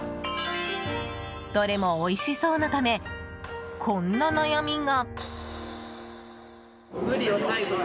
どれもおいしそうなためこんな悩みが。